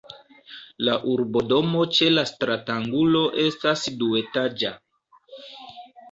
La urbodomo ĉe la stratangulo estas duetaĝa.